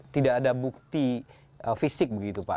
tidak ada bukti fisik